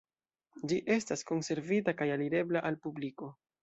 Ĝi estas konservita kaj alirebla al publiko.